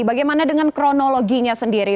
bagaimana dengan kronologinya sendiri